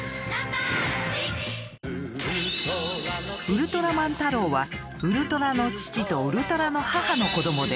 ウルトラマンタロウはウルトラの父とウルトラの母の子供です。